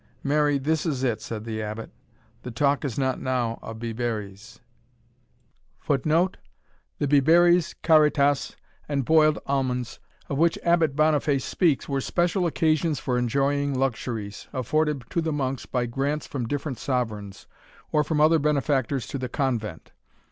"Marry, this it is," said the Abbot. "The talk is not now of biberes, [Footnote: The biberes, caritas, and boiled almonds, of which Abbot Boniface speaks, were special occasions for enjoying luxuries, afforded to the monks by grants from different sovereigns, or from other benefactors to the convent.